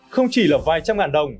không chỉ là vài trăm ngàn đồng